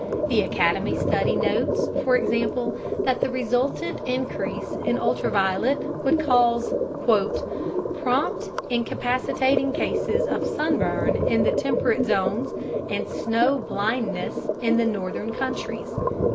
The Academy study notes, for example, that the resultant increase in ultraviolet would cause "prompt incapacitating cases of sunburn in the temperate zones and snow blindness in northern countries